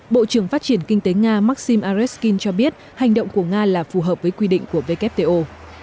bộ trưởng phát triển kinh tế nga maxim areskin cho biết hành động của nga là phù hợp với quy định của wto